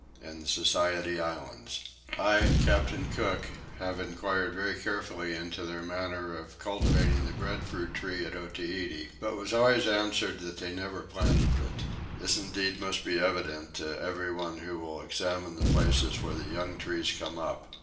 IN THE SOCIETY ISLANDS. I (Captain Cook) have inquired very carefully into their manner of cultivating the breadfruit tree at Otaheite; but was always answered that they never planted it. This indeed must be evident to everyone who will examine the places where the young trees come up.